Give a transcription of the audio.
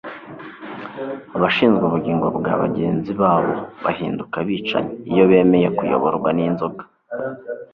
Abashinzwe ubugingo bwa bagenzi babo bahinduka abicanyi iyo bemeye kuyoborwa n'inzoga.